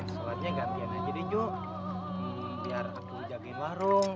sholatnya gantian aja deh yuk biar aku jagain warung